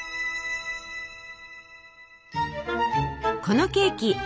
このケーキ